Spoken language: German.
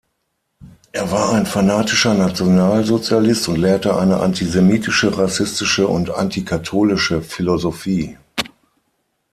Er war ein fanatischer Nationalsozialist und lehrte eine antisemitische, rassistische und antikatholische Philosophie.